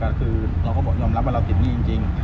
เราก็ยอมรับว่าเราติดหนี้จริง